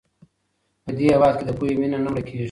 په دې هېواد کې د پوهې مینه نه مړه کېږي.